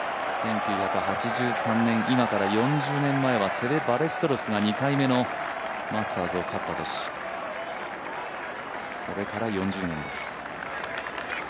１９８３年、今から４０年前はセベ・バレステロスが２回目のマスターズを勝ってそれから４０年です。